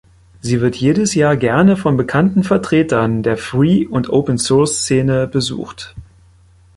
Sie wird jedes Jahr gerne von bekannten Vertretern der Free- und Open-Source-Szene besucht.